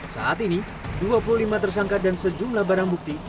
saat ini dua puluh lima tersangka dan sejumlah barang bukti